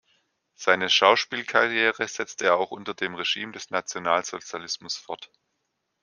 Seine Schauspielkarriere setzte er auch unter dem Regime des Nationalsozialismus fort.